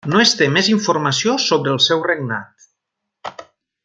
No es té més informació sobre el seu regnat.